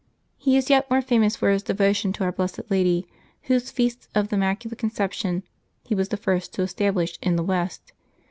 He is yet more famous for his devotion to our blessed Lad}^, whose Feast of the Immaculate Con ception he was the first to establish in the West.